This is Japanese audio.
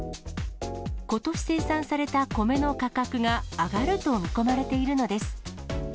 ことし生産された米の価格が上がると見込まれているのです。